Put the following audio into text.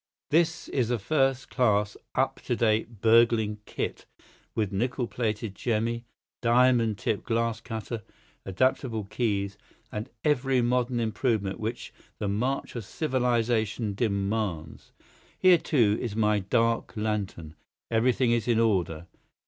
"This is a first class, up to date burgling kit, with nickel plated jemmy, diamond tipped glass cutter, adaptable keys, and every modern improvement which the march of civilization demands. Here, too, is my dark lantern. Everything is in order.